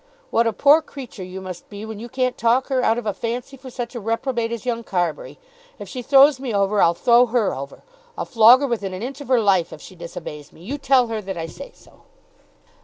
"What a poor creature you must be when you can't talk her out of a fancy for such a reprobate as young Carbury. If she throws me over, I'll throw her over. I'll flog her within an inch of her life if she disobeys me. You tell her that I say so."